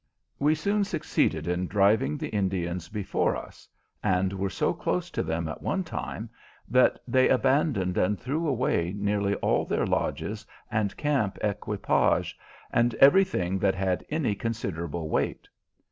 We soon succeeded in driving the Indians before us and were so close to them at one time that they abandoned and threw away nearly all their lodges and camp equipage, and everything that had any considerable weight.